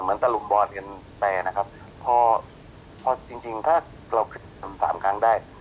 เอ่อเหมือนตะลุมบอดกันไปอะรับเพราะพอจริงถ้าเราเราขึ้นสามครั้งได้